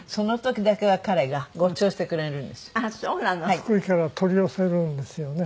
福井から取り寄せるんですよね。